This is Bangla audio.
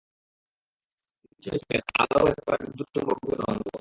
তিনি বুঝতে পেরেছিলেন, আলোও একপ্রকার বিদ্যুৎ–চুম্বকীয় তরঙ্গ।